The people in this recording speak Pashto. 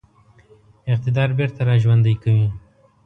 اقتدار بیرته را ژوندی کوي.